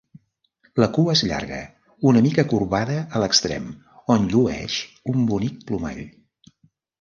La cua és llarga, una mica corbada a l'extrem, on llueix un bonic plomall.